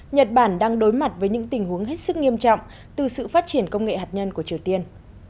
nhật bản đang đối mặt với những tình huống hết sức nghiêm trọng từ sự phát triển công nghệ hạt nhân của triều tiên